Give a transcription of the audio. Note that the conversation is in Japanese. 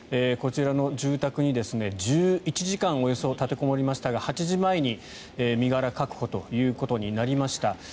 こちらの住宅におよそ１１時間立てこもりましたが８時前に身柄確保ということになりました。